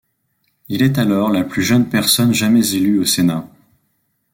Il est alors la plus jeune personne jamais élue au Sénat.